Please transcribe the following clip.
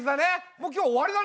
もう今日終わりだね。